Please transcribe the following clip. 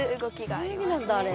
あっそういう意味なんだあれ。